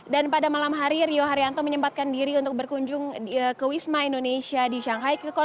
dan pada malam hari rio haryanto menyempatkan diri untuk berkunjung ke wisma indonesia di shanghai